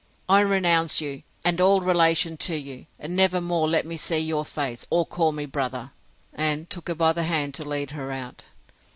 —I renounce you, and all relation to you! and never more let me see your face, or call me brother! And took her by the hand to lead her out.